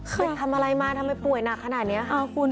ค่ะทำอะไรมาทำให้ป่วยหนักขนาดเนี้ยอ่าคุณ